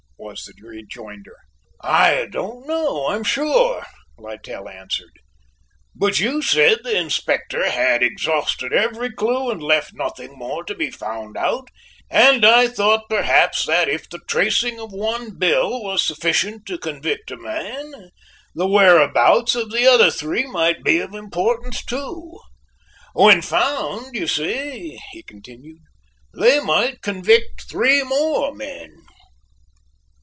was the rejoinder. "I don't know, I'm sure," Littell answered, "but you said the Inspector had exhausted every clue and left nothing more to be found out and I thought perhaps that if the tracing of one bill was sufficient to convict a man, the whereabouts of the other three might be of importance, too. When found, you see," he continued, "they might convict three more men."